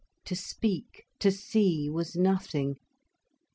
To speak, to see, was nothing.